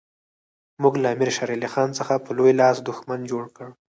موږ له امیر شېر علي خان څخه په لوی لاس دښمن جوړ کړ.